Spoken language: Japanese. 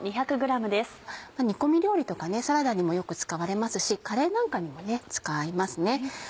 煮込み料理とかサラダにもよく使われますしカレーなんかにも使いますね。